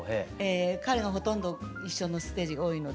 彼がほとんど一緒のステージが多いので。